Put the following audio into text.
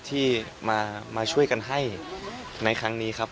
ที่มาช่วยกันให้ในครั้งนี้ครับ